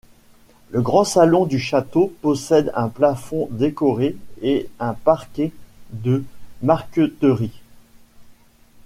Le grand salon du château possède un plafond décoré et un parquet de marqueterie.